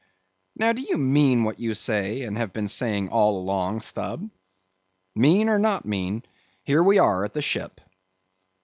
"Now, do you mean what you say, and have been saying all along, Stubb?" "Mean or not mean, here we are at the ship."